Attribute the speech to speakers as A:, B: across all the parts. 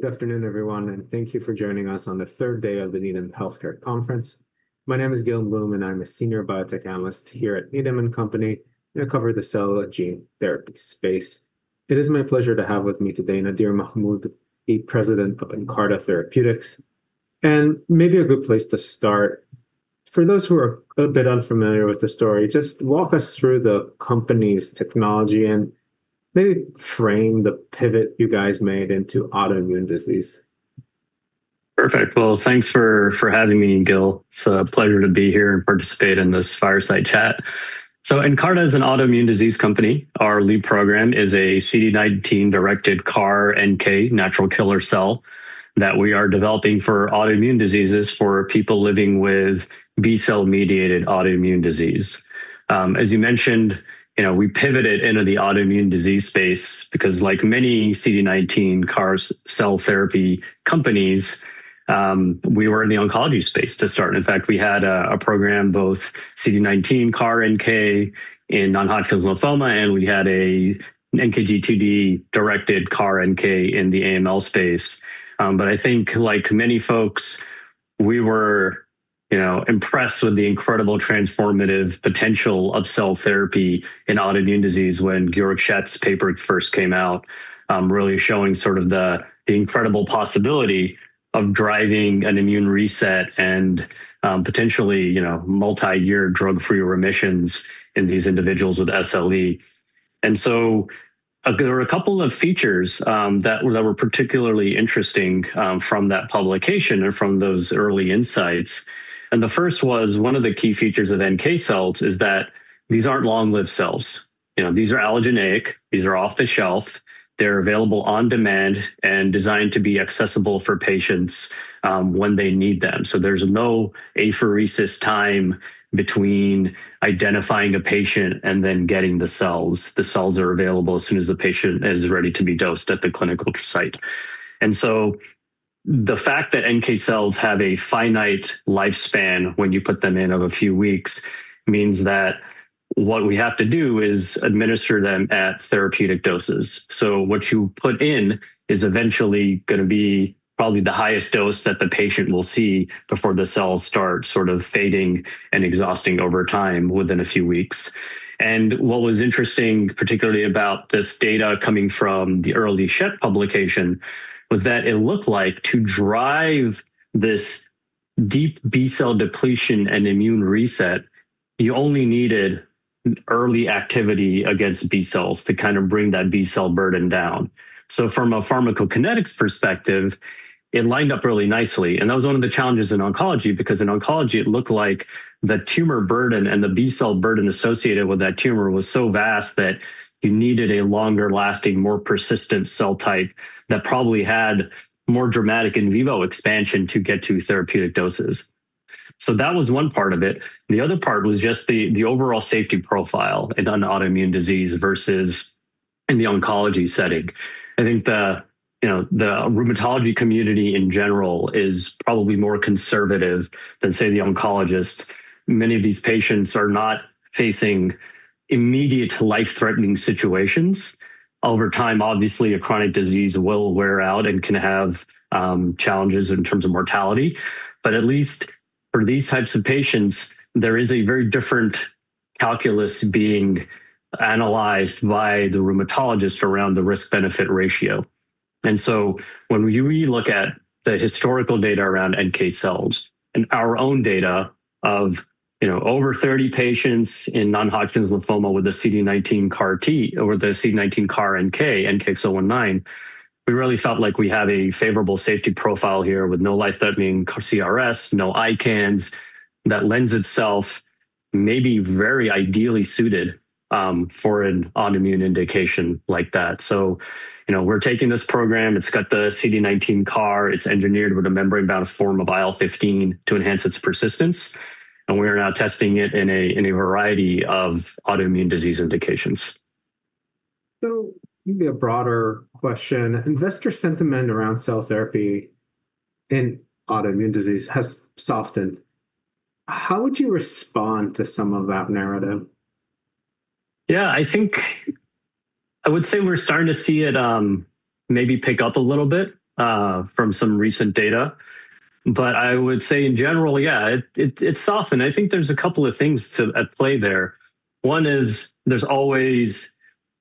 A: Good afternoon, everyone, and thank you for joining us on the third day of the Needham Healthcare Conference. My name is Gil Blum, and I'm a Senior Biotech Analyst here at Needham & Company, and I cover the cell and gene therapy space. It is my pleasure to have with me today Nadir Mahmood, President of Nkarta, Inc. Maybe a good place to start, for those who are a bit unfamiliar with the story, just walk us through the company's technology and maybe frame the pivot you guys made into autoimmune disease.
B: Perfect. Well, thanks for having me, Gil. It's a pleasure to be here and participate in this fireside chat. Nkarta is an autoimmune disease company. Our lead program is a CD19-directed CAR-NK natural killer cell that we are developing for autoimmune diseases for people living with B-cell-mediated autoimmune disease. As you mentioned, we pivoted into the autoimmune disease space because, like many CD19 CAR cell therapy companies, we were in the oncology space to start. In fact, we had a program, both CD19 CAR-NK in non-Hodgkin's lymphoma, and we had an NKG2D-directed CAR-NK in the AML space. I think like many folks, we were impressed with the incredible transformative potential of cell therapy in autoimmune disease when Georg Schett's paper first came out, really showing the incredible possibility of driving an immune reset and potentially multi-year drug-free remissions in these individuals with SLE. There were a couple of features that were particularly interesting from that publication and from those early insights. The first was one of the key features of NK cells is that these aren't long-lived cells. These are allogeneic, these are off-the-shelf, they're available on-demand, and designed to be accessible for patients when they need them. There's no apheresis time between identifying a patient and then getting the cells. The cells are available as soon as the patient is ready to be dosed at the clinical site. The fact that NK cells have a finite lifespan when you put them in of a few weeks means that what we have to do is administer them at therapeutic doses. What you put in is eventually going to be probably the highest dose that the patient will see before the cells start fading and exhausting over time within a few weeks. What was interesting, particularly about this data coming from the early Schett publication, was that it looked like to drive this deep B-cell depletion and immune reset, you only needed early activity against B cells to bring that B-cell burden down. From a pharmacokinetics perspective, it lined up really nicely, and that was one of the challenges in oncology. Because in oncology, it looked like the tumor burden and the B-cell burden associated with that tumor was so vast that you needed a longer-lasting, more persistent cell type that probably had more dramatic in vivo expansion to get to therapeutic doses. That was one part of it. The other part was just the overall safety profile in an autoimmune disease versus in the oncology setting. I think the rheumatology community in general is probably more conservative than, say, the oncologist. Many of these patients are not facing immediate life-threatening situations. Over time, obviously, a chronic disease will wear out and can have challenges in terms of mortality. At least for these types of patients, there is a very different calculus being analyzed by the rheumatologist around the risk-benefit ratio. When we look at the historical data around NK cells and our own data of over 30 patients in non-Hodgkin's lymphoma with the CD19 CAR T or the CD19 CAR-NK, NKX019, we really felt like we have a favorable safety profile here with no life-threatening CRS, no ICANS, that lends itself maybe very ideally suited for an autoimmune indication like that. We're taking this program, it's got the CD19 CAR, it's engineered with a membrane-bound form of IL-15 to enhance its persistence, and we are now testing it in a variety of autoimmune disease indications.
A: Maybe a broader question. Investor sentiment around cell therapy in autoimmune disease has softened. How would you respond to some of that narrative?
B: Yeah, I would say we're starting to see it maybe pick up a little bit from some recent data. I would say in general, yeah, it softened. I think there's a couple of things at play there. One is there's always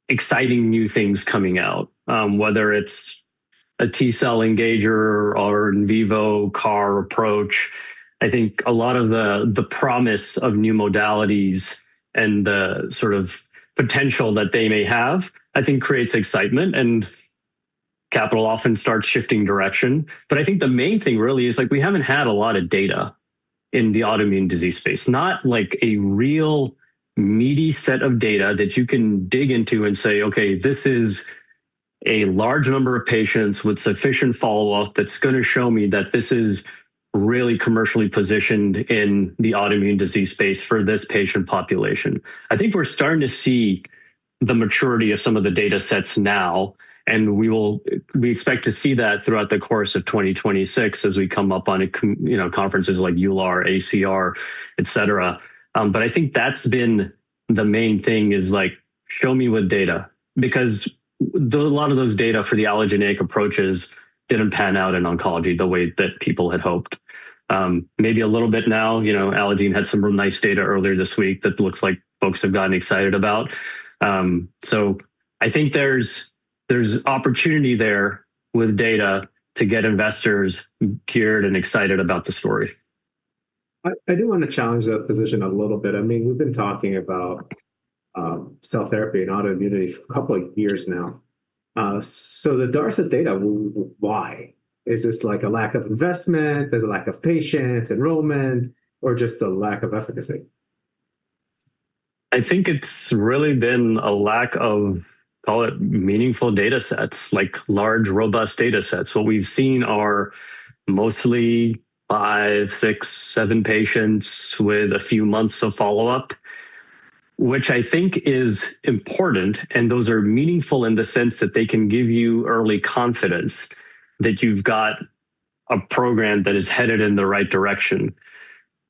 B: exciting new things coming out, whether it's a T-cell engager or an in vivo CAR approach. I think a lot of the promise of new modalities and the potential that they may have, I think creates excitement, and capital often starts shifting direction. I think the main thing really is we haven't had a lot of data in the autoimmune disease space, not a real meaty set of data that you can dig into and say, "Okay, this is a large number of patients with sufficient follow-up that's going to show me that this is really commercially positioned in the autoimmune disease space for this patient population." I think we're starting to see the maturity of some of the data sets now, and we expect to see that throughout the course of 2026 as we come up on conferences like EULAR, ACR, et cetera. I think that's been the main thing is like, show me with data, because a lot of those data for the allogeneic approaches didn't pan out in oncology the way that people had hoped. Maybe a little bit now. Allogene had some real nice data earlier this week that looks like folks have gotten excited about. I think there's opportunity there with data to get investors geared and excited about the story.
A: I do want to challenge that position a little bit. We've been talking about cell therapy and autoimmunity for a couple of years now. The dearth of data, why? Is this a lack of investment? Is it a lack of patients, enrollment, or just a lack of efficacy?
B: I think it's really been a lack of, call it meaningful data sets, like large, robust data sets. What we've seen are mostly five, six, seven patients with a few months of follow-up, which I think is important, and those are meaningful in the sense that they can give you early confidence that you've got a program that is headed in the right direction.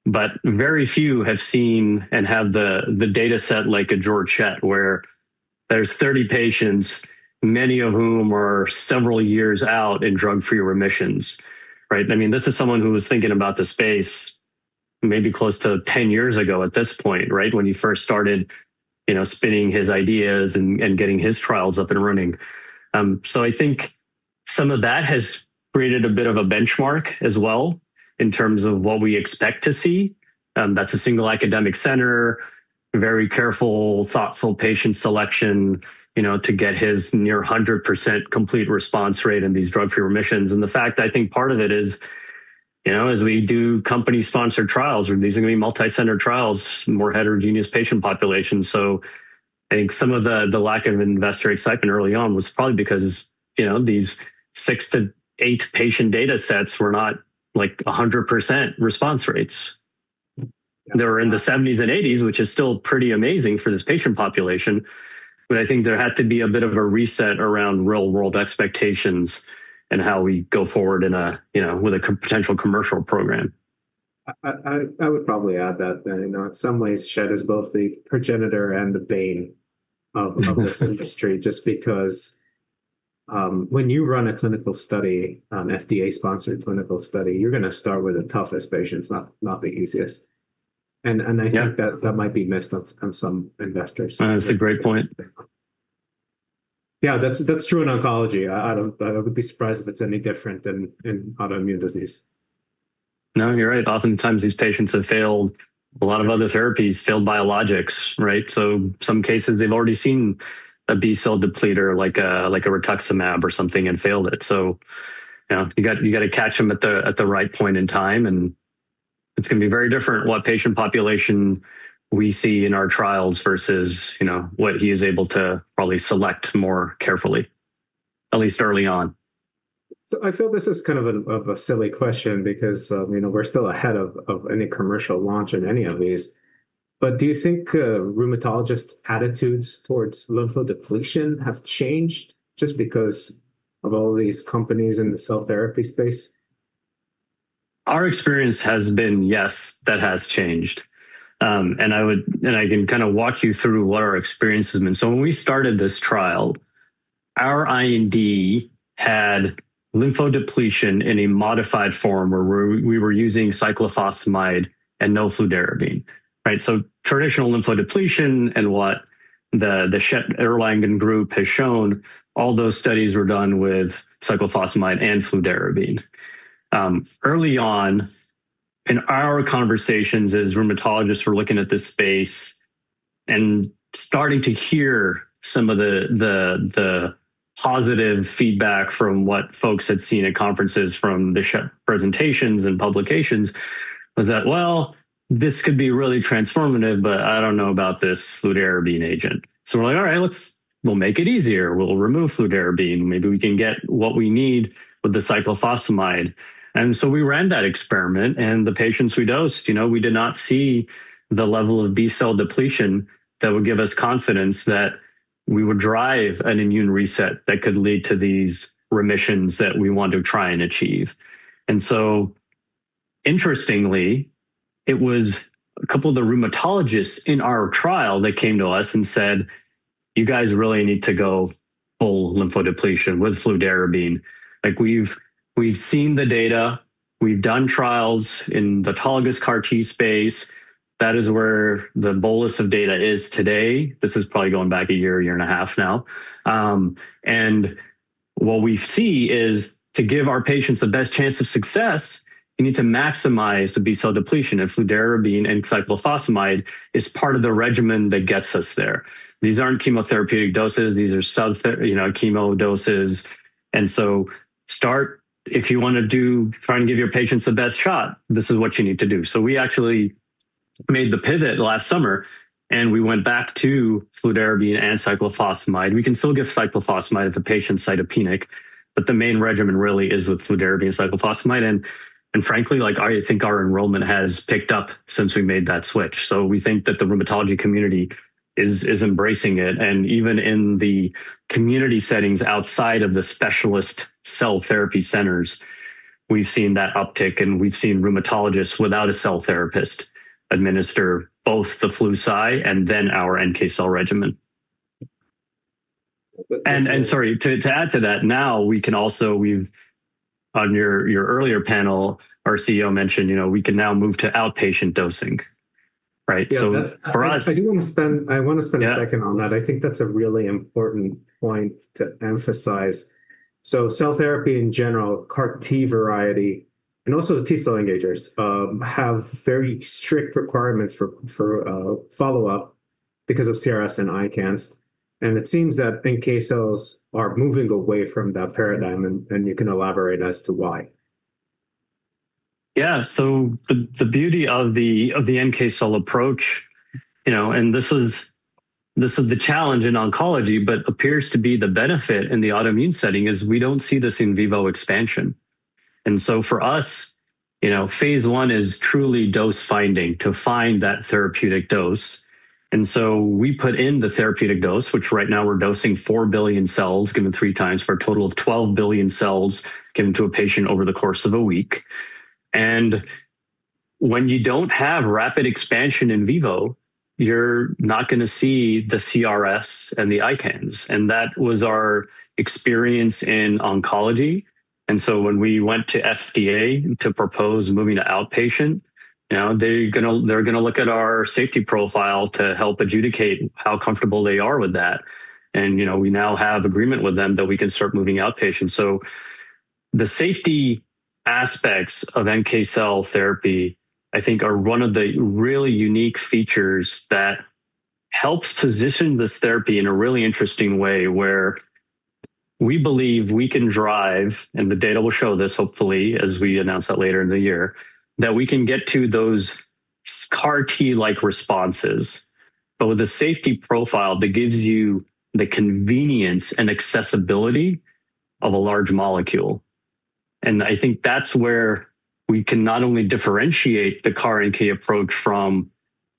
B: But very few have seen and have the data set like a Georg Schett, where there's 30 patients, many of whom are several years out in drug-free remissions, right? This is someone who was thinking about the space maybe close to 10 years ago at this point. When he first started spinning his ideas and getting his trials up and running. I think some of that has created a bit of a benchmark as well in terms of what we expect to see. That's a single academic center, very careful, thoughtful patient selection, to get his near 100% complete response rate in these drug-free remissions. The fact I think part of it is, as we do company-sponsored trials, or these are going to be multi-center trials, more heterogeneous patient populations. I think some of the lack of investor excitement early on was probably because these six to eight patient data sets were not 100% response rates. They were in the 70s and 80s, which is still pretty amazing for this patient population, but I think there had to be a bit of a reset around real-world expectations and how we go forward with a potential commercial program.
A: I would probably add that, in some ways, Schett is both the progenitor and the bane of this industry, just because when you run a clinical study, an FDA-sponsored clinical study, you're going to start with the toughest patients, not the easiest.
B: Yeah.
A: I think that might be missed on some investors.
B: That's a great point.
A: Yeah, that's true in oncology. I would be surprised if it's any different in autoimmune disease.
B: No, you're right. Oftentimes, these patients have failed a lot of other therapies, failed biologics, right? Some cases, they've already seen a B-cell depleter, like a rituximab or something, and failed it. You got to catch them at the right point in time, and it's going to be very different what patient population we see in our trials versus what he is able to probably select more carefully, at least early on.
A: I feel this is kind of a silly question because we're still ahead of any commercial launch in any of these. Do you think rheumatologists' attitudes towards lymphodepletion have changed just because of all these companies in the cell therapy space?
B: Our experience has been, yes, that has changed. I can walk you through what our experience has been. When we started this trial, our IND had lymphodepletion in a modified form, where we were using cyclophosphamide and no fludarabine. Right? Traditional lymphodepletion and what the Schett-Erlangen group has shown, all those studies were done with cyclophosphamide and fludarabine. Early on in our conversations, as rheumatologists were looking at this space and starting to hear some of the positive feedback from what folks had seen at conferences from the Schett presentations and publications was that, "Well, this could be really transformative, but I don't know about this fludarabine agent." We're like, "All right. We'll make it easier. We'll remove fludarabine. Maybe we can get what we need with the cyclophosphamide." We ran that experiment, and the patients we dosed, we did not see the level of B-cell depletion that would give us confidence that we would drive an immune reset that could lead to these remissions that we want to try and achieve. Interestingly, it was a couple of the rheumatologists in our trial that came to us and said, "You guys really need to go full lymphodepletion with fludarabine. We've seen the data. We've done trials in the autologous CAR T space. That is where the bolus of data is today." This is probably going back a year and a half now. What we see is to give our patients the best chance of success, you need to maximize the B-cell depletion, and fludarabine and cyclophosphamide is part of the regimen that gets us there. These aren't chemotherapeutic doses. These are sub-chemo doses. Start, if you want to try and give your patients the best shot, this is what you need to do." We actually made the pivot last summer, and we went back to fludarabine and cyclophosphamide. We can still give cyclophosphamide if a patient's cytopenic, but the main regimen really is with fludarabine cyclophosphamide. Frankly, I think our enrollment has picked up since we made that switch, so we think that the rheumatology community is embracing it. Even in the community settings outside of the specialist cell therapy centers, we've seen that uptick, and we've seen rheumatologists without a cell therapist administer both the flu/cy and then our NK cell regimen.
A: But-
B: Sorry, to add to that, now we can also, on your earlier panel, our CEO mentioned we can now move to outpatient dosing. For us-
A: I want to spend a second on that. I think that's a really important point to emphasize. Cell therapy in general, CAR T variety, and also the T-cell engagers, have very strict requirements for follow-up because of CRS and ICANS. It seems that NK cells are moving away from that paradigm, and you can elaborate as to why.
B: Yeah. The beauty of the NK cell approach, and this is the challenge in oncology, but appears to be the benefit in the autoimmune setting, is we don't see this in vivo expansion. For us, phase I is truly dose-finding to find that therapeutic dose. We put in the therapeutic dose, which right now we're dosing 4 billion cells given 3x for a total of 12 billion cells given to a patient over the course of a week. When you don't have rapid expansion in vivo, you're not going to see the CRS and the ICANS. That was our experience in oncology. When we went to FDA to propose moving to outpatient, now they're going to look at our safety profile to help adjudicate how comfortable they are with that. We now have agreement with them that we can start moving outpatient. The safety aspects of NK cell therapy, I think, are one of the really unique features that helps position this therapy in a really interesting way, where we believe we can drive, and the data will show this hopefully, as we announce that later in the year, that we can get to those CAR T-like responses, but with a safety profile that gives you the convenience and accessibility of a large molecule. I think that's where we can not only differentiate the CAR NK approach from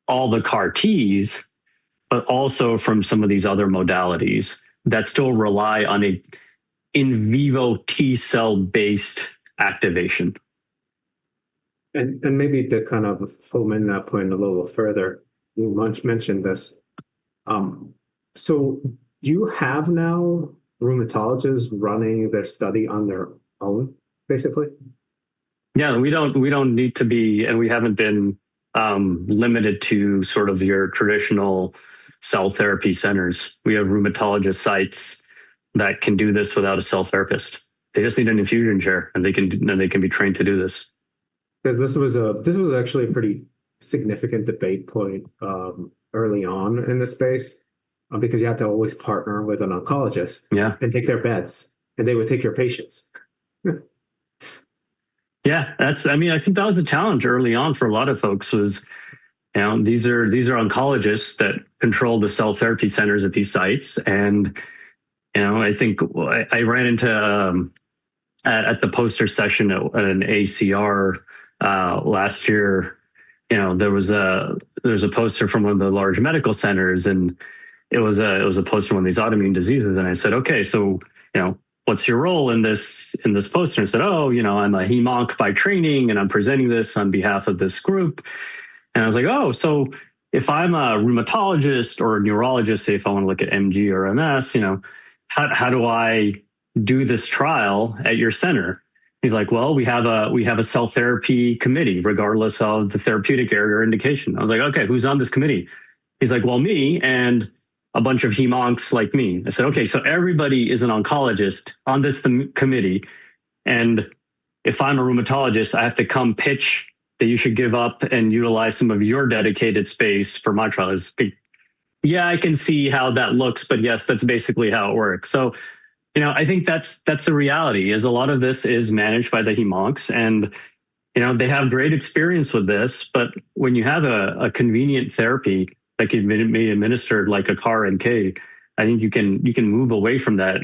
B: all the CAR Ts, but also from some of these other modalities that still rely on in vivo T-cell-based activation.
A: Maybe to fill in that point a little further, you mentioned this. You have now rheumatologists running their study on their own, basically?
B: Yeah, we don't need to be, and we haven't been limited to your traditional cell therapy centers. We have rheumatologist sites that can do this without a cell therapist. They just need an infusion chair, and they can be trained to do this.
A: This was actually a pretty significant debate point early on in this space because you have to always partner with an oncologist.
B: Yeah
A: take their beds, and they would take your patients.
B: Yeah. I think that was a challenge early on for a lot of folks was, these are oncologists that control the cell therapy centers at these sites. I think I ran into, at the poster session at an ACR last year, there was a poster from one of the large medical centers, and it was a poster on these autoimmune diseases. I said, "Okay, so what's your role in this poster?" He said, "Oh, I'm a hemonc by training, and I'm presenting this on behalf of this group." I was like, "Oh, so if I'm a rheumatologist or a neurologist, say, if I want to look at MG or MS, how do I do this trial at your center?" He's like, "Well, we have a cell therapy committee, regardless of the therapeutic area or indication." I was like, "Okay, who's on this committee?" He's like, "Well, me and a bunch of hemoncs like me." I said, "Okay, so everybody is an oncologist on this committee, and if I'm a rheumatologist, I have to come pitch that you should give up and utilize some of your dedicated space for my trial." He said, "Yeah, I can see how that looks, but yes, that's basically how it works." I think that's the reality, is a lot of this is managed by the hemoncs, and they have great experience with this, but when you have a convenient therapy that can be administered like a CAR-NK, I think you can move away from that.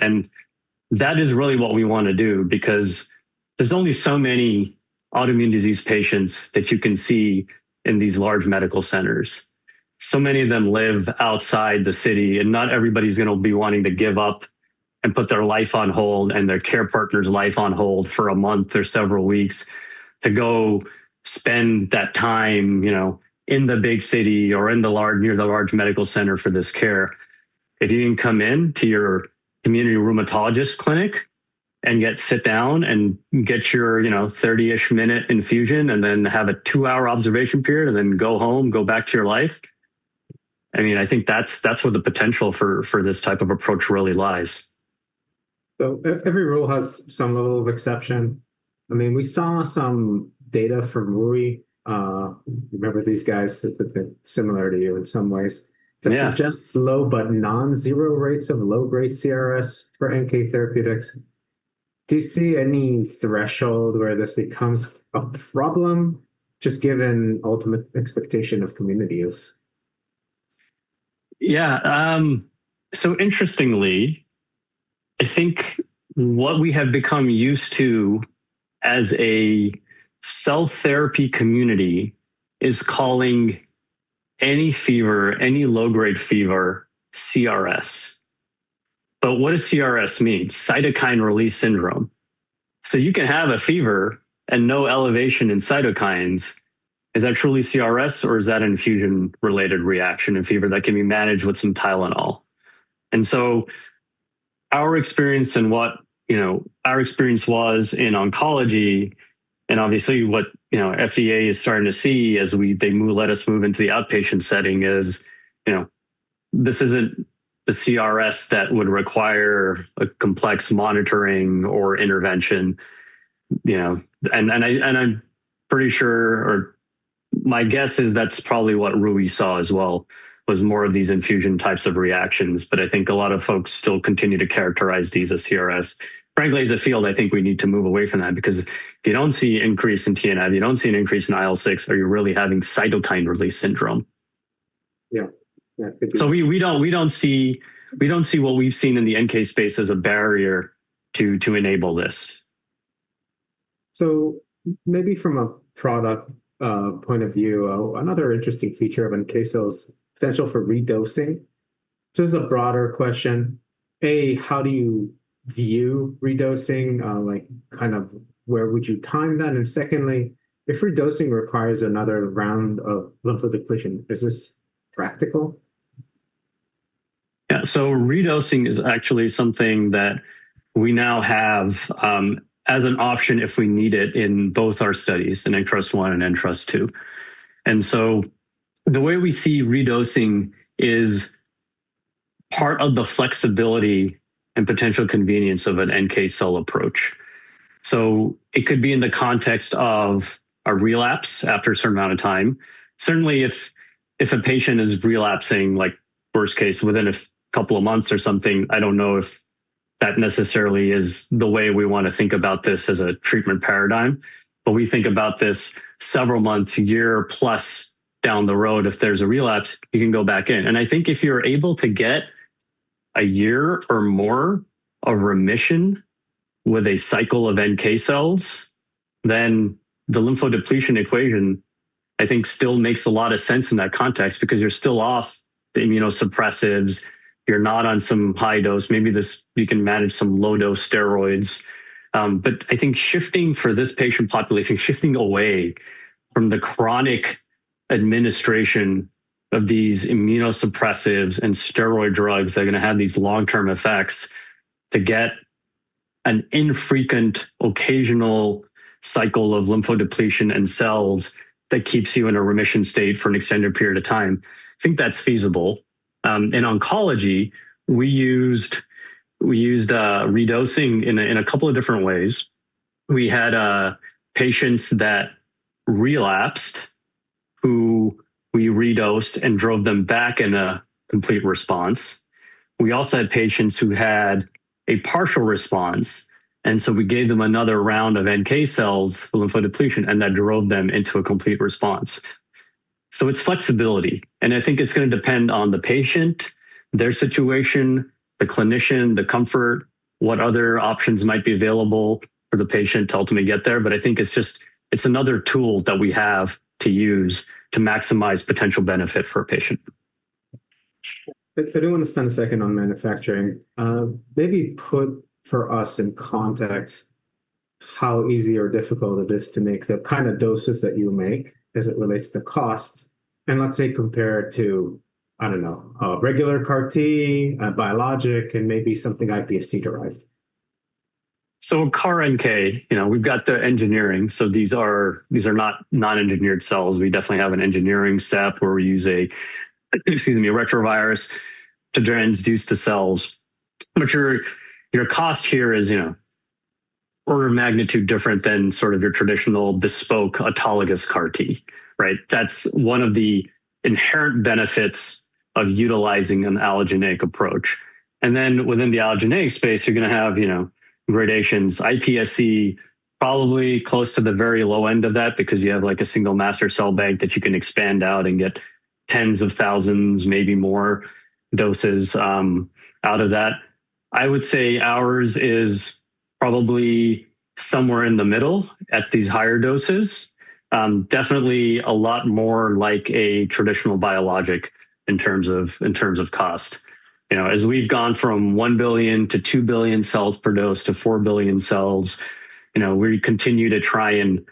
B: That is really what we want to do because there's only so many autoimmune disease patients that you can see in these large medical centers. Many of them live outside the city, and not everybody's going to be wanting to give up and put their life on hold and their care partner's life on hold for a month or several weeks to go spend that time in the big city or near the large medical center for this care. If you can come in to your community rheumatologist clinic and get sit down and get your 30-ish minute infusion, and then have a two-hour observation period, and then go home, go back to your life, I think that's where the potential for this type of approach really lies.
A: Every rule has some level of exception. We saw some data from Rui. Remember these guys that are similar to you in some ways.
B: Yeah.
A: That suggests low but non-zero rates of low-grade CRS for NK therapeutics. Do you see any threshold where this becomes a problem, just given ultimate expectation of community use?
B: Yeah. Interestingly, I think what we have become used to as a cell therapy community is calling any fever, any low-grade fever, CRS. What does CRS mean? Cytokine release syndrome. You can have a fever and no elevation in cytokines. Is that truly CRS or is that infusion-related reaction and fever that can be managed with some Tylenol? Our experience and what our experience was in oncology, and obviously what FDA is starting to see as they let us move into the outpatient setting is, this isn't the CRS that would require a complex monitoring or intervention. I'm pretty sure, or my guess is that's probably what Ruby saw as well, was more of these infusion types of reactions. I think a lot of folks still continue to characterize these as CRS. Frankly, as a field, I think we need to move away from that because if you don't see increase in TNF, you don't see an increase in IL-6. Are you really having cytokine release syndrome?
A: Yeah.
B: We don't see what we've seen in the NK space as a barrier to enable this.
A: Maybe from a product point of view, another interesting feature of NK cells, potential for redosing. This is a broader question. A, how do you view redosing? Where would you time that? Secondly, if redosing requires another round of lymphodepletion, is this practical?
B: Yeah. Redosing is actually something that we now have, as an option if we need it in both our studies, in INTRUST-1 and INTRUST-2. The way we see redosing is part of the flexibility and potential convenience of an NK cell approach. It could be in the context of a relapse after a certain amount of time. Certainly, if a patient is relapsing, worst case, within a couple of months or something, I don't know if that necessarily is the way we want to think about this as a treatment paradigm. We think about this several months, a year plus down the road. If there's a relapse, you can go back in. I think if you're able to get a year or more of remission with a cycle of NK cells, then the lymphodepletion equation, I think, still makes a lot of sense in that context because you're still off the immunosuppressants. You're not on some high dose. Maybe you can manage some low-dose steroids. I think for this patient population, shifting away from the chronic administration of these immunosuppressants and steroid drugs that are going to have these long-term effects to get an infrequent, occasional cycle of lymphodepletion and cells that keeps you in a remission state for an extended period of time, I think that's feasible. In oncology, we used redosing in a couple of different ways. We had patients that relapsed who we redosed and drove them back in a complete response. We also had patients who had a partial response, and so we gave them another round of NK cells for lymphodepletion, and that drove them into a complete response. It's flexibility, and I think it's going to depend on the patient, their situation, the clinician, the comfort, what other options might be available for the patient to ultimately get there. I think it's another tool that we have to use to maximize potential benefit for a patient.
A: I do want to spend a second on manufacturing. Maybe put for us in context how easy or difficult it is to make the kind of doses that you make as it relates to costs, and let's say compared to, I don't know, a regular CAR T, a biologic, and maybe something IPSC-derived.
B: CAR-NK, we've got the engineering. These are not engineered cells. We definitely have an engineering step where we use a retrovirus to transduce the cells. Your cost here is order of magnitude different than your traditional bespoke autologous CAR T. That's one of the inherent benefits of utilizing an allogeneic approach. Within the allogeneic space, you're going to have gradations. IPSC, probably close to the very low end of that because you have a single master cell bank that you can expand out and get tens of thousands, maybe more doses out of that. I would say ours is probably somewhere in the middle at these higher doses. Definitely a lot more like a traditional biologic in terms of cost. As we've gone from 1 billion to 2 billion cells per dose to 4 billion cells, we continue to try and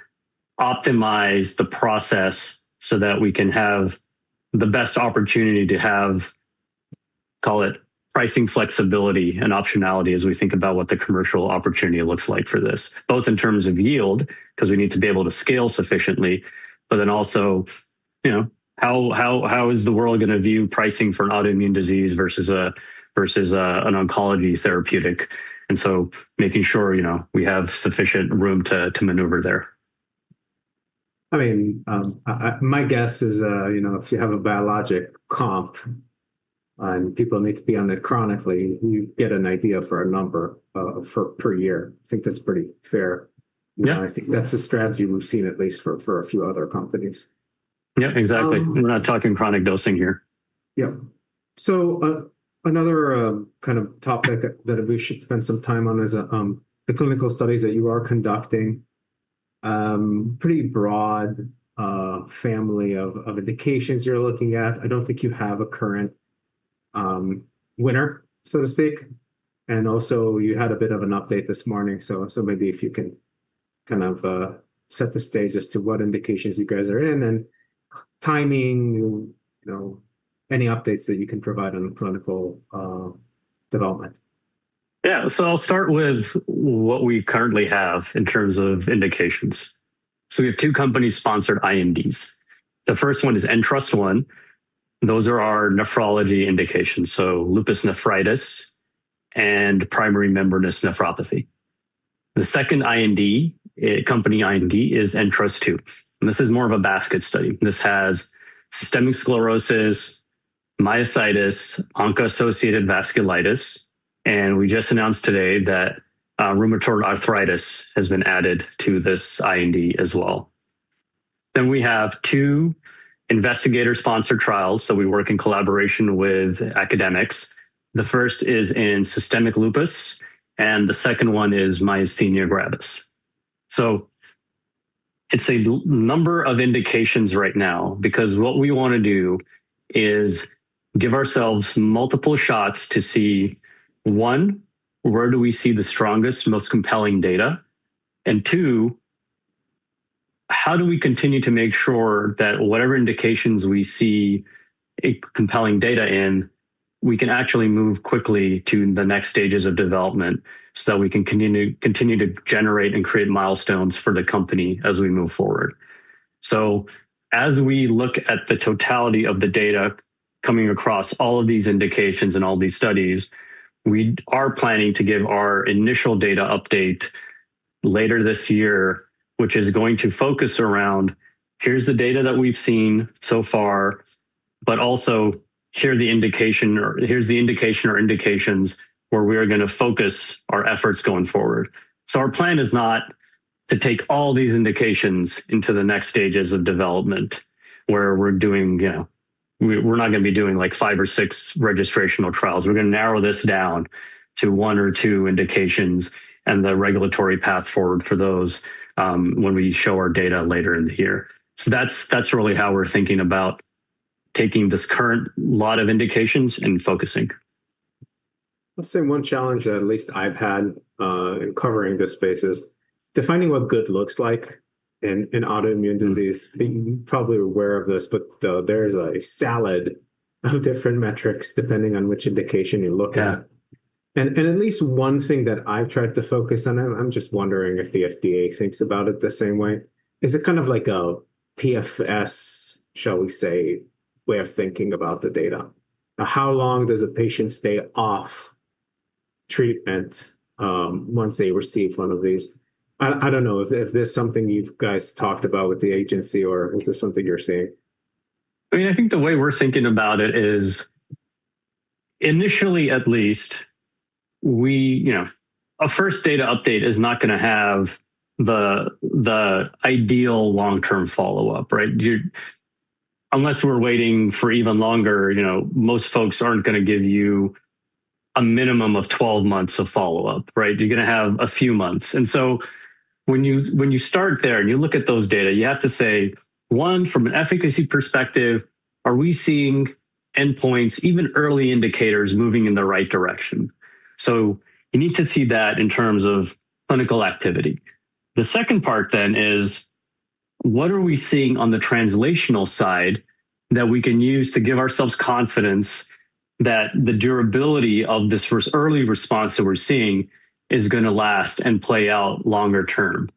B: optimize the process so that we can have the best opportunity to have, call it pricing flexibility and optionality as we think about what the commercial opportunity looks like for this, both in terms of yield, because we need to be able to scale sufficiently, but then also, how is the world going to view pricing for an autoimmune disease versus an oncology therapeutic? Making sure we have sufficient room to maneuver there.
A: My guess is, if you have a biologic comp and people need to be on it chronically, you get an idea for a number per year. I think that's pretty fair.
B: Yeah.
A: I think that's a strategy we've seen at least for a few other companies.
B: Yeah, exactly. We're not talking chronic dosing here.
A: Yeah. Another topic that we should spend some time on is the clinical studies that you are conducting. Pretty broad family of indications you're looking at. I don't think you have a current winner, so to speak. Also you had a bit of an update this morning, so maybe if you can set the stage as to what indications you guys are in and timing, any updates that you can provide on clinical development.
B: Yeah. I'll start with what we currently have in terms of indications. We have two company-sponsored INDs. The first one is INTRUST-1. Those are our nephrology indications, so lupus nephritis and primary membranous nephropathy. The second IND, company IND, is INTRUST-2, and this is more of a basket study. This has systemic sclerosis, myositis, ANCA-associated vasculitis, and we just announced today that rheumatoid arthritis has been added to this IND as well. We have two investigator-sponsored trials, so we work in collaboration with academics. The first is in systemic lupus, and the second one is myasthenia gravis. It's a number of indications right now, because what we want to do is give ourselves multiple shots to see, one, where do we see the strongest, most compelling data? Two, how do we continue to make sure that whatever indications we see a compelling data in, we can actually move quickly to the next stages of development so that we can continue to generate and create milestones for the company as we move forward. As we look at the totality of the data coming across all of these indications and all these studies, we are planning to give our initial data update later this year, which is going to focus around, here's the data that we've seen so far, but also, here's the indication or indications where we are going to focus our efforts going forward. Our plan is not to take all these indications into the next stages of development, where we're not going to be doing five or six registrational trials. We're going to narrow this down to one or two indications and the regulatory path forward for those when we show our data later in the year. That's really how we're thinking about taking this current lot of indications and focusing.
A: Let's say one challenge that at least I've had in covering this space is defining what good looks like in autoimmune disease. You're probably aware of this, but there's a salad of different metrics depending on which indication you look at.
B: Yeah.
A: At least one thing that I've tried to focus on, and I'm just wondering if the FDA thinks about it the same way, is it like a PFS, shall we say, way of thinking about the data? How long does a patient stay off treatment once they receive one of these? I don't know if this is something you guys talked about with the agency, or is this something you're seeing?
B: I think the way we're thinking about it is, initially at least, a first data update is not going to have the ideal long-term follow-up, right? Unless we're waiting for even longer, most folks aren't going to give you a minimum of 12 months of follow-up, right? You're going to have a few months. When you start there, and you look at those data, you have to say, one, from an efficacy perspective, are we seeing endpoints, even early indicators moving in the right direction? You need to see that in terms of clinical activity. The second part is, what are we seeing on the translational side that we can use to give ourselves confidence that the durability of this early response that we're seeing is going to last and play out longer term?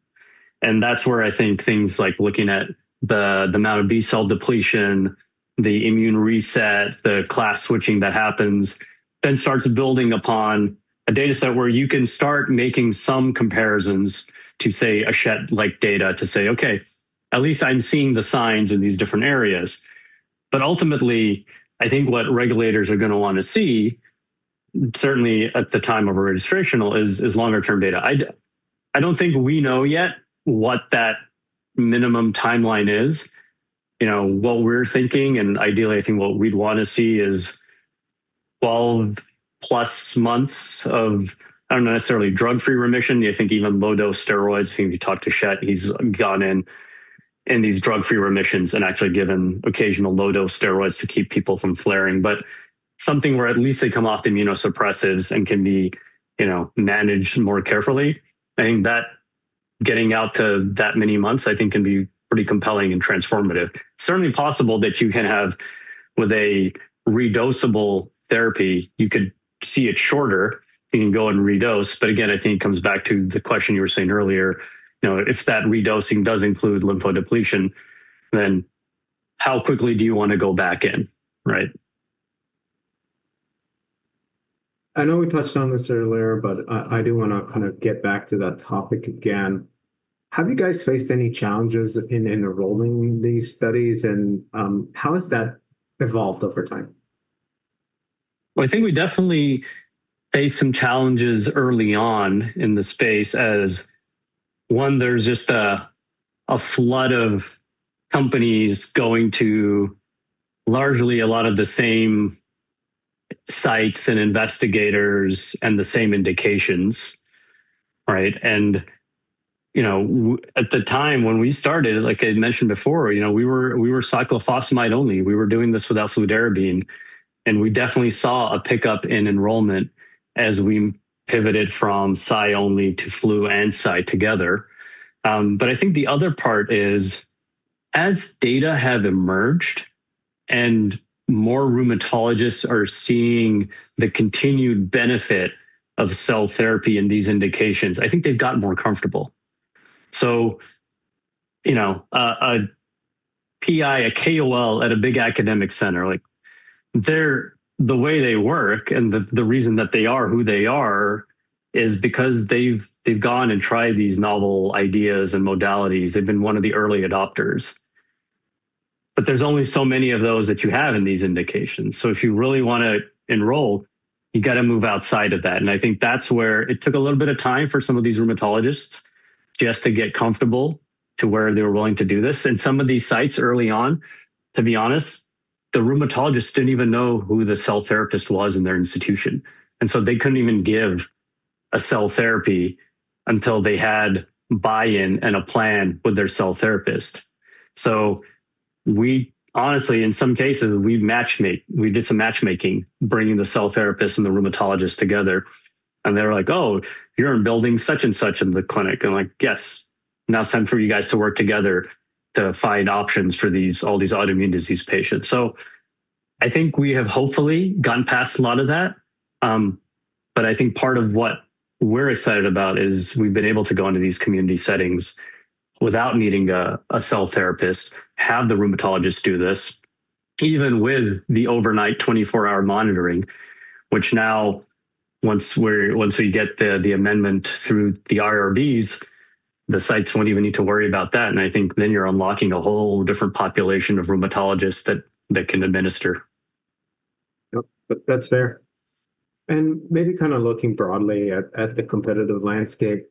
B: That's where I think things like looking at the amount of B-cell depletion, the immune reset, the class switching that happens, then starts building upon a data set where you can start making some comparisons to, say, Schett-like data to say, "Okay, at least I'm seeing the signs in these different areas." But ultimately, I think what regulators are going to want to see, certainly at the time of a registrational, is longer-term data. I don't think we know yet what that minimum timeline is. What we're thinking, and ideally I think what we'd want to see is 12+ months of not necessarily drug-free remission. I think even low-dose steroids. If you talk to Schett, he's gone in these drug-free remissions and actually given occasional low-dose steroids to keep people from flaring. Something where at least they come off the immunosuppressants and can be managed more carefully. I think that getting out to that many months, I think can be pretty compelling and transformative. Certainly possible that you can have, with a redosable therapy, you could see it shorter. You can go and redose. Again, I think it comes back to the question you were saying earlier. If that redosing does include lymphodepletion, then how quickly do you want to go back in, right?
A: I know we touched on this earlier, but I do want to get back to that topic again. Have you guys faced any challenges in enrolling these studies, and how has that evolved over time?
B: Well, I think we definitely faced some challenges early on in the space as, one, there's just a flood of companies going to largely a lot of the same sites and investigators and the same indications, right? At the time when we started, like I mentioned before, we were cyclophosphamide only. We were doing this without fludarabine, and we definitely saw a pickup in enrollment as we pivoted from Cy only to flu and Cy together. I think the other part is as data have emerged and more rheumatologists are seeing the continued benefit of cell therapy in these indications, I think they've gotten more comfortable. A PI, a KOL at a big academic center, the way they work and the reason that they are who they are is because they've gone and tried these novel ideas and modalities. They've been one of the early adopters. There's only so many of those that you have in these indications. If you really want to enroll, you got to move outside of that. I think that's where it took a little bit of time for some of these rheumatologists just to get comfortable to where they were willing to do this. Some of these sites early on, to be honest, the rheumatologists didn't even know who the cell therapist was in their institution, and so they couldn't even give a cell therapy until they had buy-in and a plan with their cell therapist. We honestly, in some cases, we did some matchmaking, bringing the cell therapist and the rheumatologist together, and they're like, "Oh, you're in building such and such in the clinic." I'm like, "Yes. Now it's time for you guys to work together to find options for all these autoimmune disease patients. I think we have hopefully gotten past a lot of that. I think part of what we're excited about is we've been able to go into these community settings without needing a cell therapist, have the rheumatologist do this, even with the overnight 24-hour monitoring, which now, once we get the amendment through the IRBs, the sites won't even need to worry about that. I think then you're unlocking a whole different population of rheumatologists that can administer.
A: Yep. That's fair. Maybe kind of looking broadly at the competitive landscape.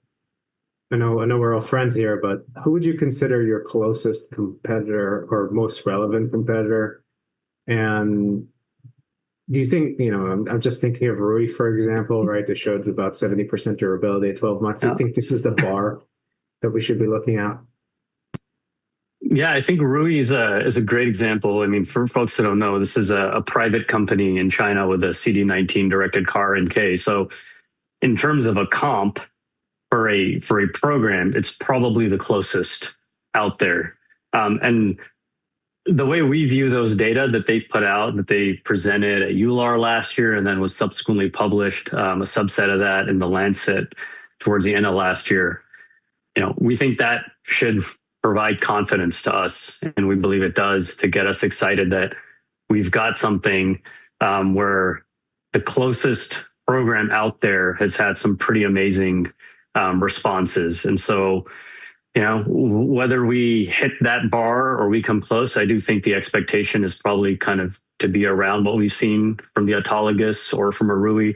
A: I know we're all friends here, but who would you consider your closest competitor or most relevant competitor? I'm just thinking of Rui, for example, right? That showed about 70% durability at 12 months. Do you think this is the bar that we should be looking at?
B: Yeah, I think Rui is a great example. For folks that don't know, this is a private company in China with a CD19-directed CAR-NK. In terms of a comp for a program, it's probably the closest out there. The way we view those data that they've put out, that they presented at EULAR last year and then was subsequently published, a subset of that in The Lancet towards the end of last year, we think that should provide confidence to us, and we believe it does to get us excited that we've got something where the closest program out there has had some pretty amazing responses. Whether we hit that bar or we come close, I do think the expectation is probably to be around what we've seen from the autologous or from Ruby,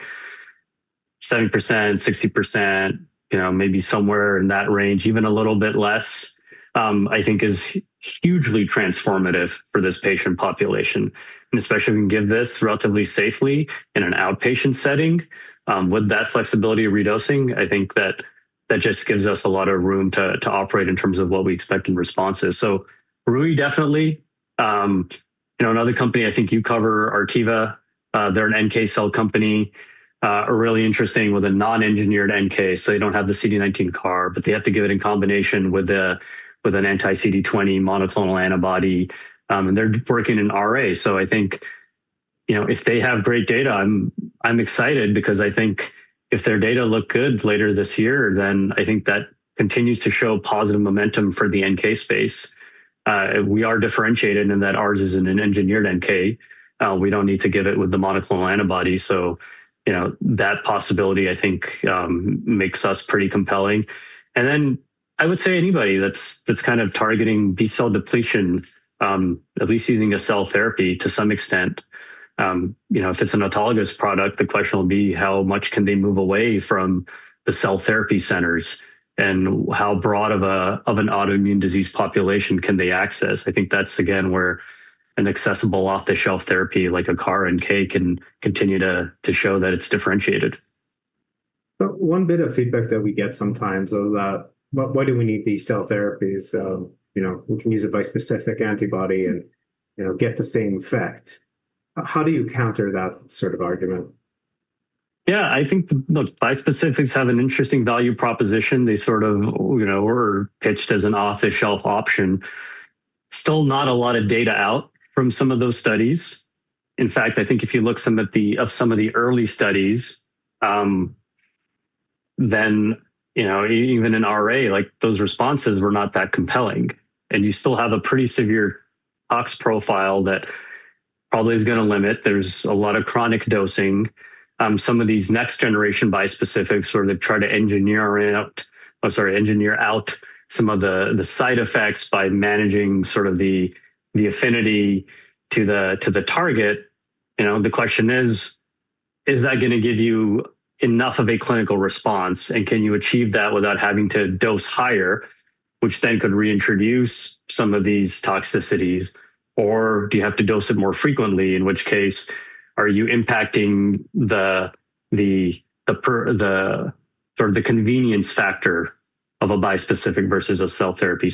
B: 70%, 60%, maybe somewhere in that range, even a little bit less, I think is hugely transformative for this patient population. Especially if we can give this relatively safely in an outpatient setting with that flexibility of redosing, I think that just gives us a lot of room to operate in terms of what we expect in responses. Ruby definitely. Another company I think you cover, Artiva. They're an NK cell company, are really interesting with a non-engineered NK, so you don't have the CD19 CAR, but they have to give it in combination with an anti-CD20 monoclonal antibody. They're working in RA. I think, if they have great data, I'm excited because I think if their data look good later this year, then I think that continues to show positive momentum for the NK space. We are differentiated in that ours is an engineered NK. We don't need to give it with the monoclonal antibody. That possibility, I think, makes us pretty compelling. Then I would say anybody that's kind of targeting B-cell depletion, at least using a cell therapy to some extent. If it's an autologous product, the question will be how much can they move away from the cell therapy centers, and how broad of an autoimmune disease population can they access? I think that's again where an accessible off-the-shelf therapy like a CAR-NK can continue to show that it's differentiated.
A: One bit of feedback that we get sometimes is that, why do we need these cell therapies? We can use a bispecific antibody and get the same effect. How do you counter that sort of argument?
B: Yeah, I think the bispecifics have an interesting value proposition. They sort of were pitched as an off-the-shelf option. Still not a lot of data out from some of those studies. In fact, I think if you look at some of the early studies, then even in RA, those responses were not that compelling. You still have a pretty severe CRS profile that probably is going to limit. There's a lot of chronic dosing. Some of these next generation bispecifics sort of try to engineer out some of the side effects by managing the affinity to the target. The question is that going to give you enough of a clinical response, and can you achieve that without having to dose higher, which then could reintroduce some of these toxicities? Do you have to dose it more frequently, in which case, are you impacting the convenience factor of a bispecific versus a cell therapy?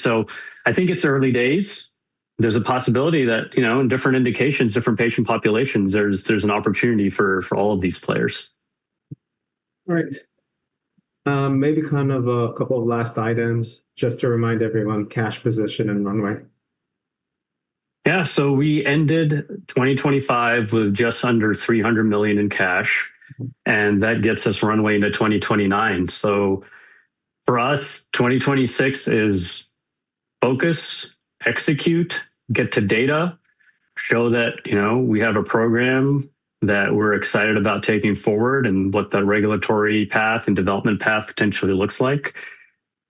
B: I think it's early days. There's a possibility that in different indications, different patient populations, there's an opportunity for all of these players.
A: All right. Maybe a couple of last items just to remind everyone, cash position and runway.
B: Yeah. We ended 2025 with just under $300 million in cash, and that gets us runway into 2029. For us, 2026 is focus, execute, get to data, show that we have a program that we're excited about taking forward and what the regulatory path and development path potentially looks like,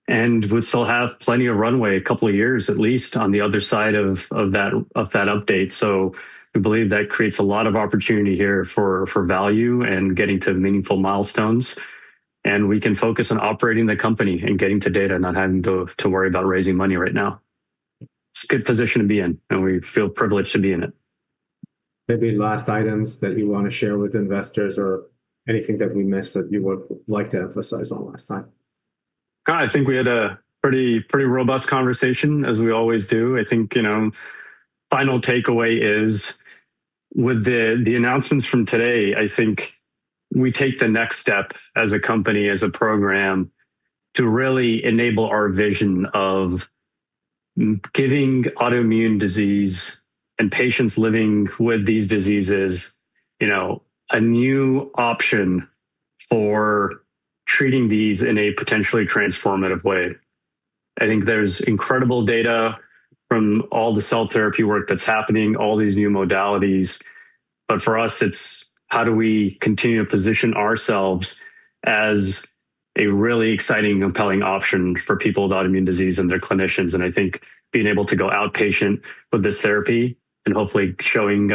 B: and would still have plenty of runway, a couple of years at least, on the other side of that update. We believe that creates a lot of opportunity here for value and getting to meaningful milestones. We can focus on operating the company and getting to data, not having to worry about raising money right now. It's a good position to be in, and we feel privileged to be in it.
A: Maybe last items that you want to share with investors or anything that we missed that you would like to emphasize on last time?
B: No, I think we had a pretty robust conversation as we always do. I think, final takeaway is with the announcements from today, I think we take the next step as a company, as a program, to really enable our vision of giving autoimmune disease and patients living with these diseases a new option for treating these in a potentially transformative way. I think there's incredible data from all the cell therapy work that's happening, all these new modalities. But for us, it's how do we continue to position ourselves as a really exciting, compelling option for people with autoimmune disease and their clinicians, and I think being able to go outpatient with this therapy and hopefully showing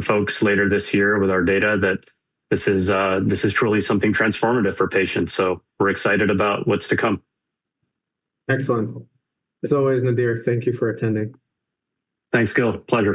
B: folks later this year with our data that this is truly something transformative for patients. We're excited about what's to come.
A: Excellent. As always, Nadir, thank you for attending.
B: Thanks, Gil. Pleasure.